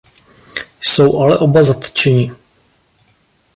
Jsou ale oba zatčeni.